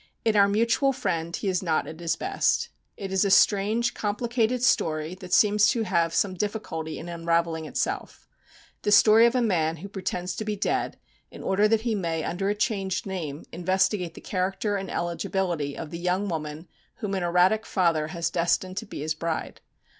In "Our Mutual Friend" he is not at his best. It is a strange complicated story that seems to have some difficulty in unravelling itself: the story of a man who pretends to be dead in order that he may, under a changed name, investigate the character and eligibility of the young woman whom an erratic father has destined to be his bride.